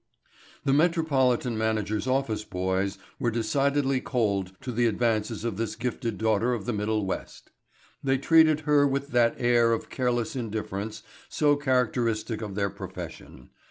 The metropolitan managers' office boys were decidedly cold to the advances of this gifted daughter of the Middle West. They treated her with that air of careless indifference so characteristic of their profession.